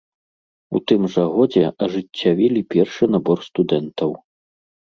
У тым жа годзе ажыццявілі першы набор студэнтаў.